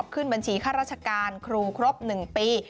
ขึ้นบัญชีข้าราชการครูครบ๑ปี